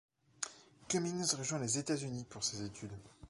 Cummings rejoint les États-Unis pour ses études.